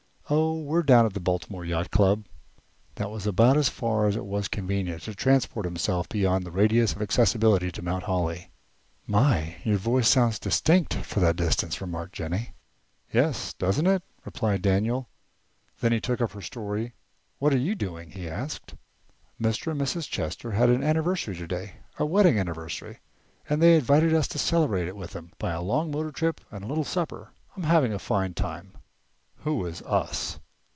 "Oh! we're down to the Baltimore Yacht Club." That was about as far as it was convenient to transport himself beyond the radius of accessibility to Mount Holly. "My! your voice sounds distinct for that distance," remarked Jennie. "Yes, doesn't it?" replied Daniel. Then he took up her story. "What are you doing?" he asked. "Mr. and Mrs. Chester had an anniversary today, a wedding anniversary, and they invited us to celebrate it with them by a long motor trip and a little supper. I'm having a fine time." "Who is us?"